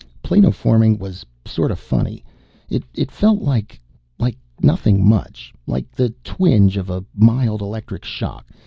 Planoforming was sort of funny. It felt like like Like nothing much. Like the twinge of a mild electric shock.